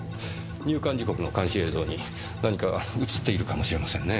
入館時刻の監視映像に何か映っているかもしれませんねぇ。